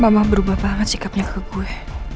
mama berubah banget sikapnya ke gue